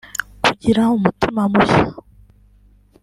Kugira umutima mushya